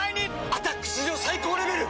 「アタック」史上最高レベル！